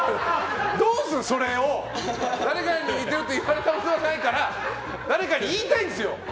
それをどうするの誰かに似ていると言われたことがないから誰かに言いたいんですよ。